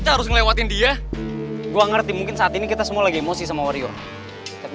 bro bukan yang musuhan oke